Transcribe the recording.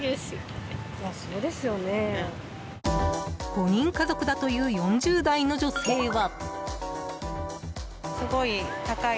５人家族だという４０代の女性は。